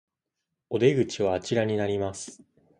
お出口はあちらになります